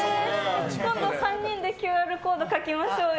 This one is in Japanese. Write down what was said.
今度３人でＱＲコード書きましょうよ！